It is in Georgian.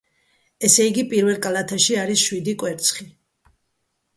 ესე იგი, პირველ კალათაში არის შვიდი კვერცხი.